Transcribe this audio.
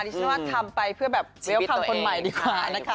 ดิฉันว่าทำไปเพื่อแบบเวลาความคนใหม่ดีกว่านะคะ